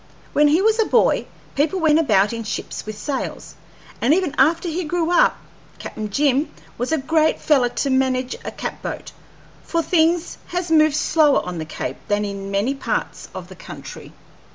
When he was a boy people went about in ships with sails, and even after he grew up Cap'n Jim was a great feller to manage a catboat; for things has moved slower on the Cape than in many parts of the country."